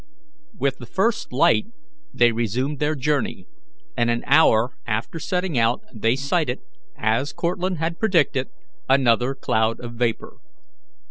With the first light they resumed their journey, and an hour after setting out they sighted, as Cortlandt had predicted, another cloud of vapour.